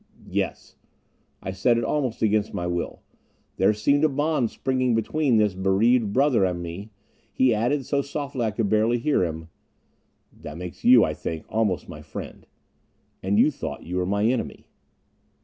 "Yes." I said it almost against my will. There seemed a bond springing between this bereaved brother and me. He added, so softly I could barely hear him, "That makes you, I think, almost my friend. And you thought you were my enemy."